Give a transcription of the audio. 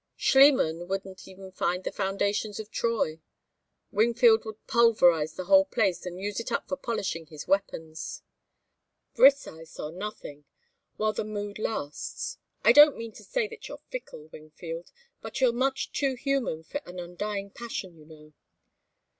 Schliemann wouldn't even find the foundations of Troy. Wingfield would pulverize the whole place and use it up for polishing his weapons. Briseis, or nothing while the mood lasts. I don't mean to say that you're fickle, Wingfield, but you're much too human for an undying passion, you know."